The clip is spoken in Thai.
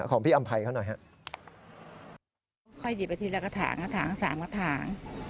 ค่อยหยิบอาทิตย์ละกระถังสามกระถัง